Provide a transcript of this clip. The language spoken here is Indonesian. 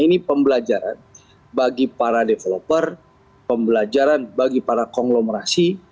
ini pembelajaran bagi para developer pembelajaran bagi para konglomerasi